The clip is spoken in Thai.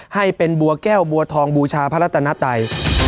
ให้เป็นบัวแก้วบัวทองบูชาพระรัตนไต